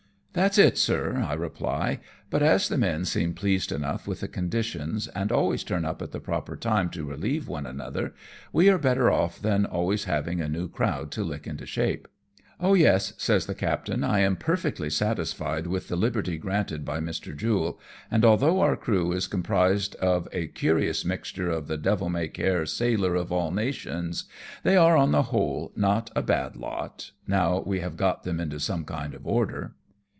" That's it, sir," I reply, " but as the men seem pleased enough with the conditions, and always turn up at the proper time to relieve one another, we are better off than always having a new crowd to lick into shape." " Oh ! yes," says the captain, " I am perfectly satis fied with the liberty granted by Mr. Jule, and although our crew is comprised of a curious mixture of the ' devil may care ' sailor of all nations, they are, on the SHANGHAI TO NAGASAKI. 25 £ whole, not a bad lot now we have got them into some kind of order."